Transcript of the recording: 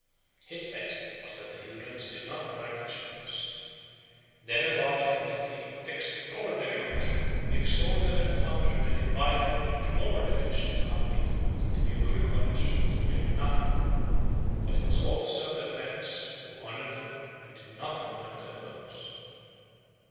His text was that the Hurons did not burn fish bones. "Then enlarging on this theme with extraordinary unction, he exhorted and conjured and invited and implored the fish to come and be caught and to be of good courage and to fear nothing, for it was all to serve their friends who honoured them and did not burn their bones."